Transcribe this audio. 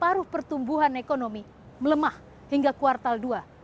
paruh pertumbuhan ekonomi melemah hingga kuartal dua dua ribu tujuh belas